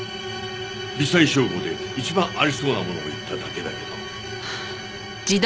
微細証拠で一番ありそうなものを言っただけだけど。